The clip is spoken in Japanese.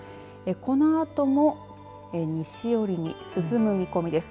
このあとも西寄りに進む見込みです。